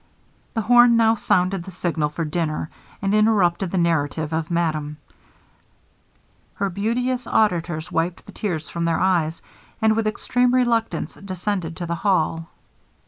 The horn now sounded the signal for dinner, and interrupted the narrative of Madame. Her beauteous auditors wiped the tears from their eyes, and with extreme reluctance descended to the hall.